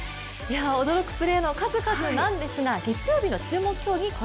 驚くプレーの数々なんですが月曜日の注目競技